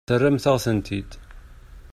Terramt-aɣ-ten-id.